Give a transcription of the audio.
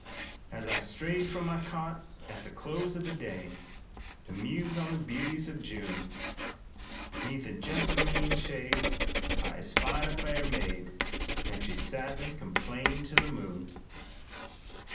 "As I strayed from my cot at the close of the day To muse on the beauties of June, 'Neath a jessamine shade I espied a fair maid And she sadly complained to the moon."